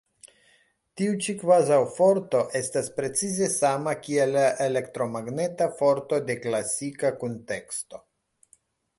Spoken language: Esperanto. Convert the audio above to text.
Tiu ĉi kvazaŭ-forto estas precize sama kiel la elektromagneta forto de klasika kunteksto.